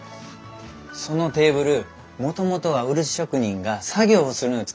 そのテーブルもともとは漆職人が作業するのに使っていたものなんです。